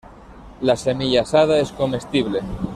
La semilla asada es comestible.